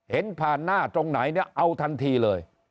เห็นผ่านหน้าตรงไหนเนี่ยเอาทันทีเลย